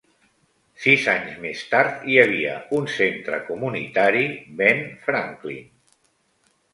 Sis anys més tard hi havia un Centre Comunitari Ben Franklin.